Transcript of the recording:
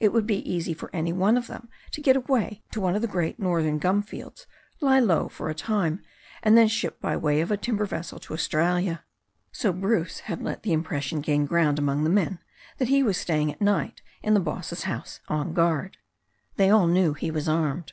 It would be easy for any one of them to get away to one of the great 84 THE STORY OF A NEW ZEALAND RIVER northern gum fields, lie low for a time, and then ship by way of a timber vessel to Australia. So Bruce had let the impression gain ground among the men that he was staying at night in the boss's house on guard. They all knew he was armed.